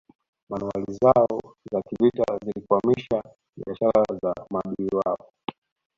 Manowari zao za kivita zilikwamisha biashara za maadui wao